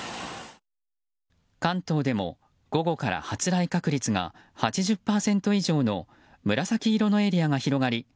関東でも午後から発雷確率が８０％以上の紫色のエリアが広がり